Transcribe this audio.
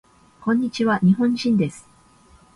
こんにちわ。日本人です。